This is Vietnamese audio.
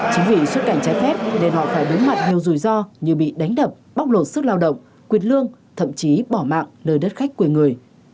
chính vì xuất cảnh trái phép nên họ phải đối mặt nhiều rủi ro như bị đánh đập bóc lột sức lao động quyệt lương thậm chí bỏ mạng nơi đất khách quê người